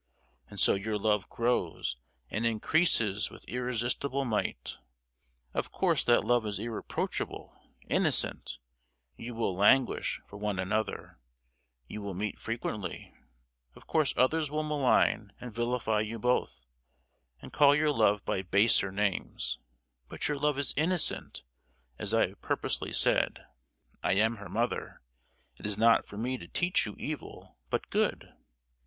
And so your love grows and increases with irresistible might. Of course that love is irreproachable—innocent—you will languish for one another—you will meet frequently; of course others will malign and vilify you both, and call your love by baser names—but your love is innocent, as I have purposely said; I am her mother—it is not for me to teach you evil, but good.